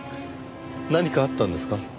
何かあったんですか？